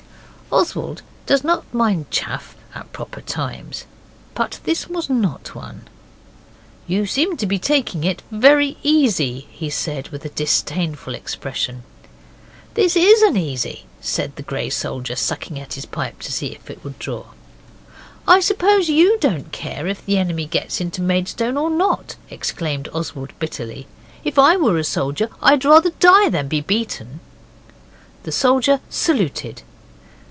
Oswald does not mind chaff at proper times. But this was not one. 'You seem to be taking it very easy,' he said with disdainful expression. 'This IS an easy,' said the grey soldier, sucking at his pipe to see if it would draw. 'I suppose YOU don't care if the enemy gets into Maidstone or not!' exclaimed Oswald bitterly. 'If I were a soldier I'd rather die than be beaten.' The soldier saluted.